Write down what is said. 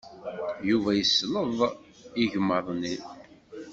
Yuba yesleḍ igmaḍ-nni.